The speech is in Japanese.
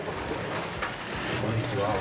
こんにちは。